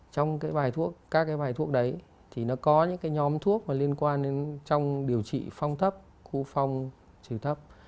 trong các cái bài thuốc đấy thì nó có những cái nhóm thuốc mà liên quan đến trong điều trị phong thấp khu phong trừ thấp